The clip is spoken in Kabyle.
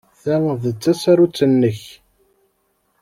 Ta d tasarut-nnek.